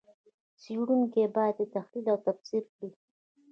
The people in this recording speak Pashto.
څېړونکي یې باید تحلیل او تفسیر کړي.